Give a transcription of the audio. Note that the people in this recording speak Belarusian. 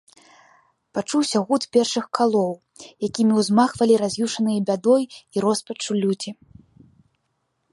Пачуўся гуд першых калоў, якімі ўзмахвалі раз'юшаныя бядой і роспаччу людзі.